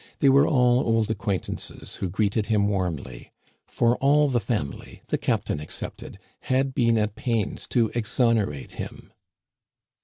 They were all old acquaintances, who greeted him warmly; for all the family, the captain excepted, had been at pains to exonerate him.